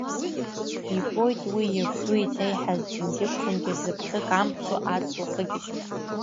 Ибоит уи иабду еиҭеиҳаз ӡынгьы ԥхынгьы зыбӷьы камԥсо аҵла хыгьежь.